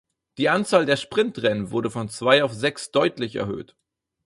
Die Anzahl der Sprintrennen wurde von zwei auf sechs deutlich erhöht.